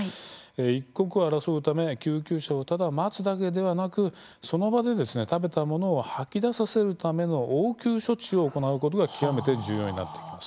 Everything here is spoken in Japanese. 一刻を争うため救急車をただ待つだけではなくその場で食べたものを吐き出させるための応急処置を行うことが極めて重要になってきます。